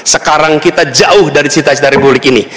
sekarang kita jauh dari citasida republik ini